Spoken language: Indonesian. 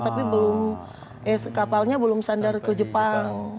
tapi kapalnya belum sandar ke jepang